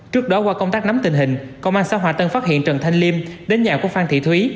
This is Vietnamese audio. trước đó qua công tác nắm tình hình công an xã hòa tân phát hiện trần thanh liêm đến nhà của phan thị thúy